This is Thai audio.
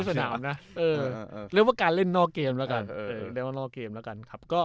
สนามนะเรียกว่าการเล่นนอกเกมละกัน